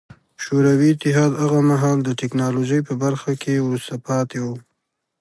شوروي اتحاد هغه مهال د ټکنالوژۍ په برخه کې وروسته پاتې و